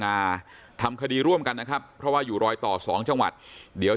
าทำคดีร่วมกันนะครับเพราะว่าอยู่รอยต่อสองจังหวัดเดี๋ยว